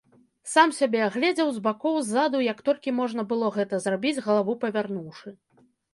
Сам сябе агледзеў з бакоў, ззаду, як толькі можна было гэта зрабіць, галаву павярнуўшы.